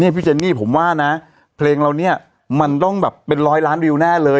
พี่เจนนี่ผมว่านะเพลงเราเนี่ยมันต้องแบบเป็นร้อยล้านวิวแน่เลย